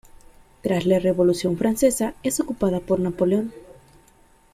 Tras la Revolución francesa es ocupada por Napoleón.